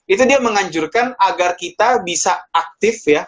itu dia menganjurkan agar kita bisa aktif ya